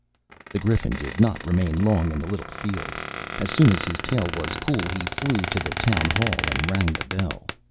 The Griffin did not remain long in the little field. As soon as his tail was cool he flew to the town hall and rang the bell.